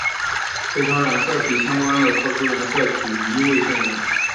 费城染色体相关的特殊染色体易位现象。